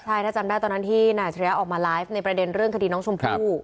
ใช่ถ้าจำได้ตอนนั้นที่นายอัจฉริยะออกมาไลฟ์ในประเด็นเรื่องคดีน้องชมพู่